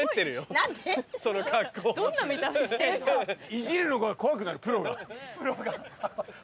いじるのが怖くなるプロが。